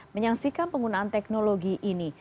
menyaksikan penggunaan teknologi ini